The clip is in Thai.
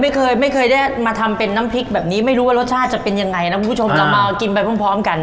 ไม่เคยไม่เคยได้มาทำเป็นน้ำพริกแบบนี้ไม่รู้ว่ารสชาติจะเป็นยังไงนะคุณผู้ชมเรามากินไปพร้อมพร้อมกัน